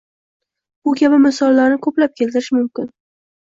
Bu kabi misollarni ko‘plab keltirish mumkin.